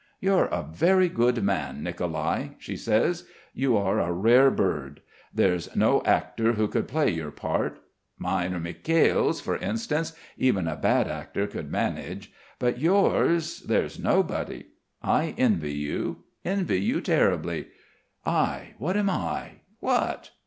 "You're a very good man, Nicolai," she says. "You are a rare bird. There's no actor who could play your part. Mine or Mikhail's, for instance even a bad actor could manage, but yours there's nobody. I envy you, envy you terribly I What am I? What?"